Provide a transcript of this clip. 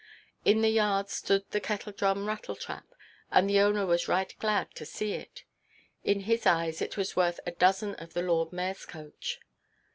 In the yard stood the Kettledrum "rattletrap," and the owner was right glad to see it. In his eyes it was worth a dozen of the lord mayorʼs coach.